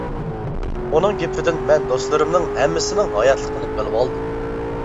ئۇنىڭ گېپىدىن مەن دوستلىرىمنىڭ ھەممىسىنىڭ ھاياتلىقىنى بىلىۋالدىم.